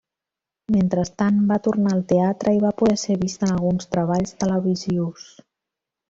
Mentrestant, va tornar al teatre i va poder ser vist en alguns treballs televisius.